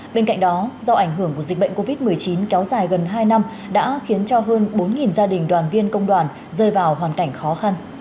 bên cạnh đó do ảnh hưởng của dịch bệnh covid một mươi chín kéo dài gần hai năm đã khiến cho hơn bốn gia đình đoàn viên công đoàn rơi vào hoàn cảnh khó khăn